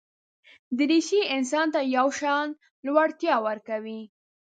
دریشي انسان ته یو شان لوړتیا ورکوي.